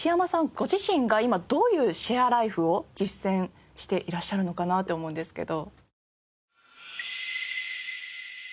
ご自身が今どういうシェアライフを実践していらっしゃるのかなと思うんですけど。